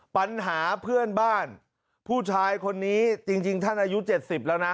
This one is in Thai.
ปัญหาเพื่อนบ้านผู้ชายคนนี้จริงท่านอายุ๗๐แล้วนะ